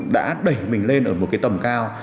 đã đẩy mình lên ở một cái tầm cao